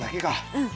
うん！